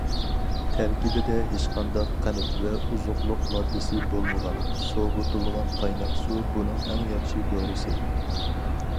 تەركىبىدە ھېچقانداق قەنت ۋە ئوزۇقلۇق ماددىسى بولمىغان سوۋۇتۇلغان قايناق سۇ بۇنىڭ ئەڭ ياخشى دورىسى.